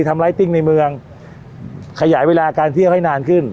ไลติ้งในเมืองขยายเวลาการเที่ยวให้นานขึ้น